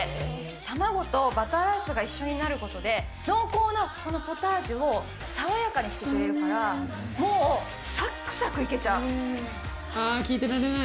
卵とバターライスが一緒になることで、濃厚なこのポタージュを爽やかにしてくれるから、もう、あー、聞いてられない。